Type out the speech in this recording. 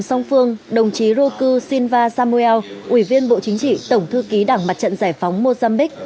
trong phương đồng chí roscu siva samuel ủy viên bộ chính trị tổng thư ký đảng mặt trận giải phóng mozambique